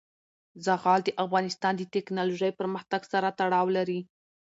زغال د افغانستان د تکنالوژۍ پرمختګ سره تړاو لري.